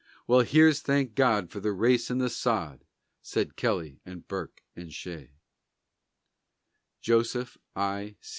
"Well, here's thank God for the race and the sod!" Said Kelly and Burke and Shea. JOSEPH I.